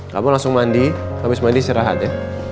kamu langsung mandi habis mandi istirahat ya